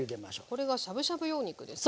これはしゃぶしゃぶ用肉ですね。